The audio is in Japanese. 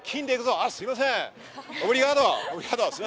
あっ、すいません。